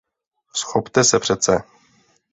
Vzchopte se přece!